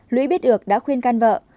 lũy biết ược đã khuyên can vợ